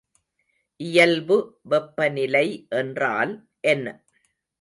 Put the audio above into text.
இயல்பு வெப்பநிலை என்றால் என்ன?